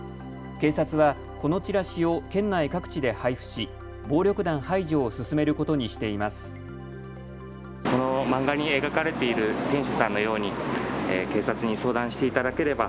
警察は、このチラシを県内各地で配布し暴力団排除を進めることにしています。